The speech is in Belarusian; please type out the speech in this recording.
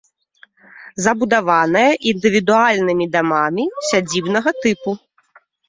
Забудаваная індывідуальнымі дамамі сядзібнага тыпу.